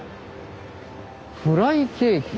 フライケーキ。